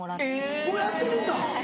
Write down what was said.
もうやってるんだ！